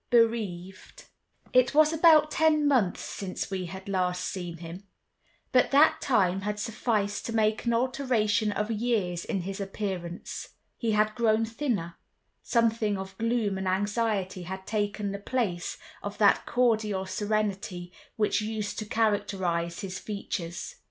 Bereaved It was about ten months since we had last seen him: but that time had sufficed to make an alteration of years in his appearance. He had grown thinner; something of gloom and anxiety had taken the place of that cordial serenity which used to characterize his features.